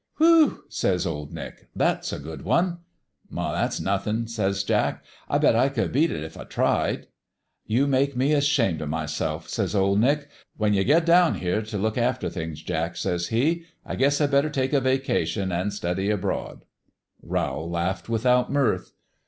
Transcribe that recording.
"'Whew!' says Old Nick; 'thats a good onel' '"That's nothinY says Jack. 'I bet I could beat that if I tried.' "' You make me ashamed o' myself,' says OP Nick. 'When you get down here t' look after things, Jack/ says he, ' I guess I better take a vacation an' study abroad.' " Rowl laughed without mirth.